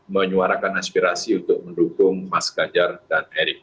menyuarakan aspirasi untuk mendukung mas ganjar dan p tiga